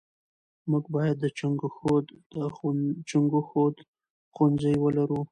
موږ بايد د جنګښود ښوونځی ولرو .